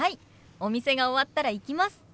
お店が終わったら行きます！